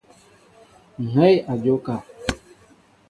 Ŋhɛy a njóka.